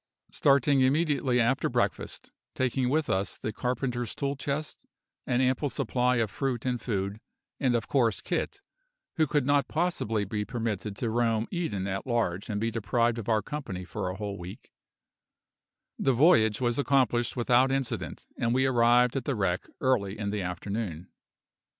Starting immediately after breakfast, taking with us the carpenter's tool chest, an ample supply of fruit and food, and of course Kit who could not possibly be permitted to roam Eden at large and be deprived of our company for a whole week the voyage was accomplished without incident, and we arrived at the wreck early in the afternoon.